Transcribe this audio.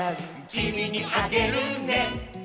「きみにあげるね」